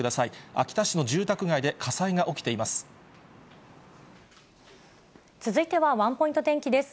秋田市の住宅街で火災が起きてい続いてはワンポイント天気です。